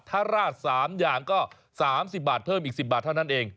ถ้าราด๓อย่างก็๓๐บาทเพิ่มอีก๑๐บาทเท่านั้นเอง